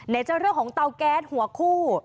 จะเรื่องของเตาแก๊สหัวคู่